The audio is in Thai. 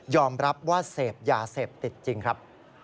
รับว่าเสพยาเสพติดจริงครับ